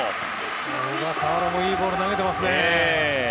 小笠原もいいボールを投げていますね。